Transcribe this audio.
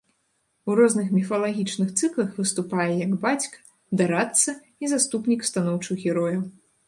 У розных міфалагічных цыклах выступаў як бацька, дарадца і заступнік станоўчых герояў.